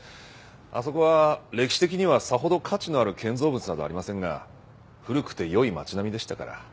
あそこは歴史的にはさほど価値のある建造物などはありませんが古くて良い街並みでしたから。